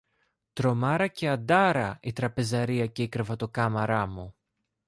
Τρομάρα και Αντάρα, η τραπεζαρία και η κρεβατοκάμαρα μου.